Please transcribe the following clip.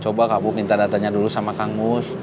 coba kamu minta datanya dulu sama kang gus